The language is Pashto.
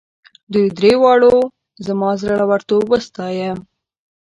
دوی دریو واړو زما زړه ورتوب وستایه.